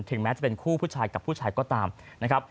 แม้จะเป็นคู่ผู้ชายกับผู้ชายก็ตามนะครับ